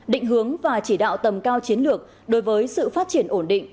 định hướng và chỉ đạo tầm cao chiến lược đối với sự phát triển ổn định